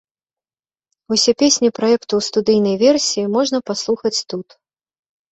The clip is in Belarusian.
Усе песні праекту ў студыйнай версіі можна паслухаць тут.